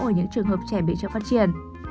ở những trường hợp trẻ bị chất phát triển